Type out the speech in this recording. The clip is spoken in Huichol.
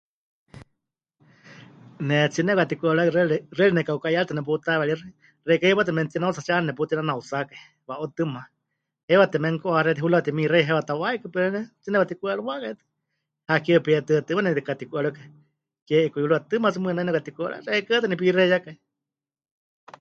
Ne 'aatsí nepɨkatiku'eriwakai xɨari, xɨari neka'uka'iyaaritɨ neputaweeríxɨ, xeikɨ́a hipátɨ́ memɨtinautsatsie 'aana neputinanautsákai wa'utɨma, heiwa temenuku'axé hurawa temixeiya heiwa ta waikɨ pero ne 'aatsí nepɨkatiku'eriwákai tɨ, hakeewa peyetɨ́a tɨma nemɨkatiku'eriwákai, ke 'ikuyuruwatɨ tɨma tsɨ mɨɨkɨ nai nepɨkatiku'eriwákai xeikɨ́a tɨ nepixeiyakai.